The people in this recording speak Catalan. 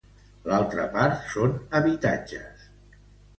L'altra part són habitatges.